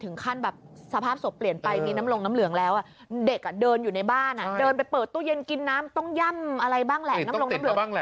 ถึงขั้นแบบสภาพสบเปลี่ยนไปมีน้ำลงน้ำเหลืองแล้วอะเด็กเดินอยู่ในบ้านเดินไปเปิดตู้เย็นกินน้ำต้องย่ำอะไรบ้างแหละ